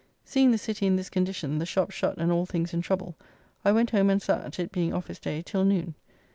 Seeing the city in this condition, the shops shut, and all things in trouble, I went home and sat, it being office day, till noon.